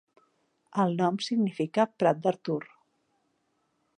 El nom significa "prat d'Artur".